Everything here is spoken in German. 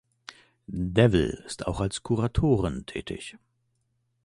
Devil ist auch als Kuratorin tätig.